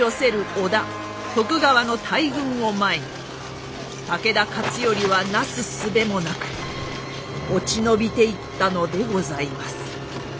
織田徳川の大軍を前に武田勝頼はなすすべもなく落ち延びていったのでございます。